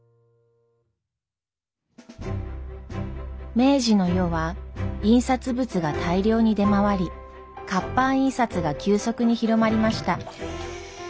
明治の世は印刷物が大量に出回り活版印刷が急速に広まりました。